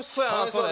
それ。